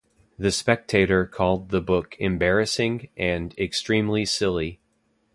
The Spectator called the book "embarrassing" and "extremely silly".